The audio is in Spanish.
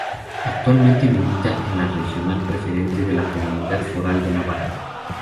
Actualmente milita en la Regional Preferente de la Comunidad Foral de Navarra.